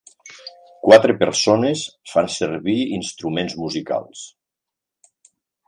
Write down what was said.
Quatre persones fan servir instruments musicals.